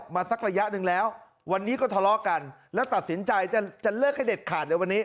มาสักระยะหนึ่งแล้ววันนี้ก็ทะเลาะกันแล้วตัดสินใจจะเลิกให้เด็ดขาดเลยวันนี้